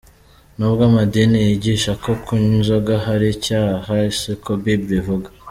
Nubwo amadini yigisha ko "kunywa inzoga ari icyaha",siko Bible ivuga.